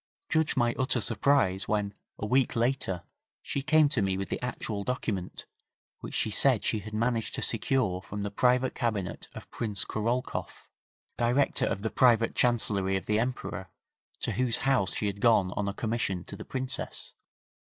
Judge my utter surprise when, a week later, she came to me with the actual document which she said she had managed to secure from the private cabinet of Prince Korolkoff, director of the private Chancellerie of the Emperor, to whose house she had gone on a commission to the Princess.